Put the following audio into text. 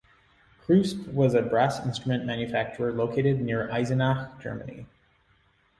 Kruspe was a brass instrument manufacturer located near Eisenach, Germany.